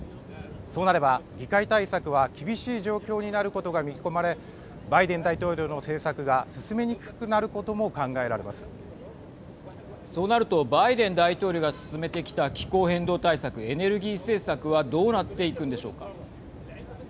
そうなれば議会対策は厳しい状況になることが見込まれバイデン大統領の政策が進めにくくなることもそうなるとバイデン大統領が進めてきた気候変動対策、エネルギー政策はどうなっていくんでしょうか。